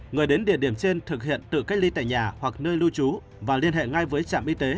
người đến địa điểm trên thực hiện tự cách ly tại nhà hoặc nơi lưu trú và liên hệ ngay với trạm y tế